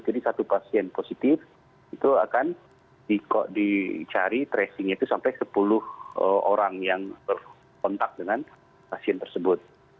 jadi satu pasien positif itu akan dicari tracingnya itu sampai sepuluh orang yang berkontak dengan pasien tersebut